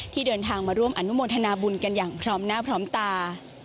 เดินทางมาร่วมอนุโมทนาบุญกันอย่างพร้อมหน้าพร้อมตา